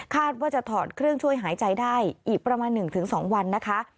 ว่าจะถอดเครื่องช่วยหายใจได้อีกประมาณ๑๒วันนะคะ